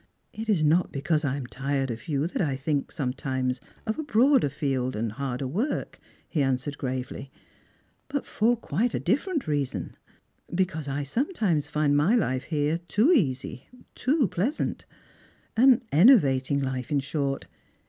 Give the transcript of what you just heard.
" It is not because I am tired of you that I think sometimea of a broader field and harder work," he answered gravely, " but for quite a difierent reason — because I sometimes find my life here too easy, too pleasaut ; an enervating hfe, in short.